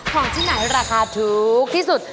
ของที่ไหนราคาถูกที่สุด